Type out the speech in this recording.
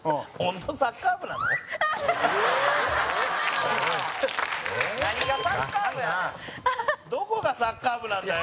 山崎：どこがサッカー部なんだよ。